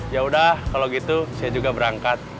yaudah kalau gitu saya juga berangkat